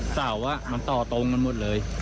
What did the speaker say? เสามันต่อตรงกันหมดเลย